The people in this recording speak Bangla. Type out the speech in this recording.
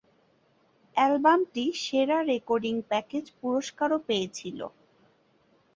অ্যালবামটি সেরা রেকর্ডিং প্যাকেজ পুরস্কারও পেয়েছিল।